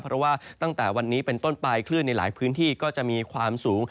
เพราะว่าตั้งแต่วันนี้เป็นต้นปลายคลื่นในหลายพื้นที่ก็จะมีความสูง